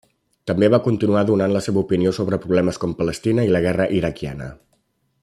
També va continuar donant la seva opinió sobre problemes com Palestina i la guerra iraquiana.